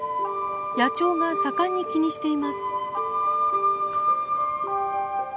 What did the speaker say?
野鳥が盛んに気にしています。